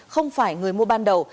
không phải người mua ban đầu